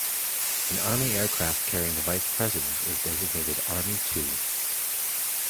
An Army aircraft carrying the Vice President is designated Army Two.